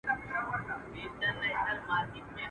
آسمانه ما خو داسي نه ویله.